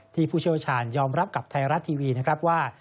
ผู้เชี่ยวชาญยอมรับกับไทยรัฐทีวีนะครับว่า